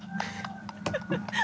ハハハハ。